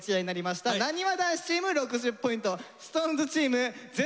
なにわ男子チーム６０ポイントＳｉｘＴＯＮＥＳチーム０ポイント。